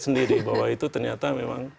sendiri bahwa itu ternyata memang